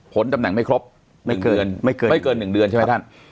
ผลตำแหน่งไม่ครบ๑เดือนไม่เกิน๑เดือนใช่ไหมท่าน